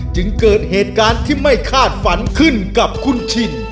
จึงเกิดเหตุการณ์ที่ไม่คาดฝันขึ้นกับคุณชิน